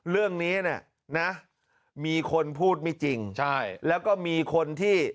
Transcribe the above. เรื่องนี้เนี่ยนะมีคนพูดไม่จริงใช่แล้วก็มีคนที่